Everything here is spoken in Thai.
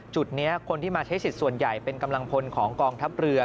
จุดนี้คนที่มาใช้สิทธิ์ส่วนใหญ่เป็นกำลังพลของกองทัพเรือ